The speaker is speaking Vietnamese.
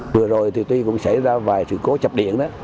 vừa rồi thì tuy cũng xảy ra vài sự cố chập điện đó